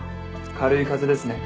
軽い風邪ですね。